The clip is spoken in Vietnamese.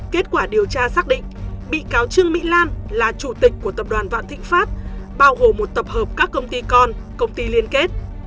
kết quả điều tra xác định bị cáo trương mỹ lan là chủ tịch của tập đoàn vạn thịnh pháp bao gồm một tập hợp các công ty con công ty liên kết